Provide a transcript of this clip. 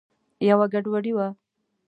یوه ګډوډي وه.